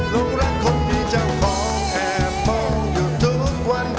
ลูกรักคนมีเจ้าของแอบมองอยู่ทุกวัน